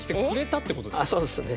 そうですね。